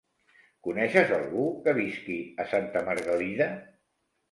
Coneixes algú que visqui a Santa Margalida?